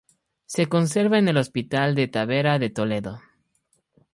Se conserva en el Hospital de Tavera de Toledo.